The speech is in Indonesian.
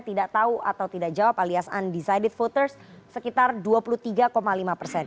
tidak tahu atau tidak jawab alias undecided voters sekitar dua puluh tiga lima persen